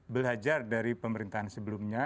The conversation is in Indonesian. belajar dari pemerintahan sebelumnya